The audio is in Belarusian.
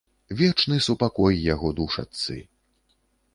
Вечны супакой яго душачцы!